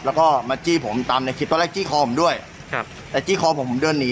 แล้วก็มาจี้ผมตามในคลิปตอนแรกจี้คอผมด้วยครับแต่จี้คอผมผมเดินหนี